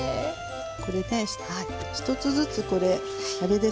これで１つずつこれあれですよ